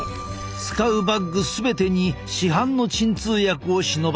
使うバッグ全てに市販の鎮痛薬を忍ばせている。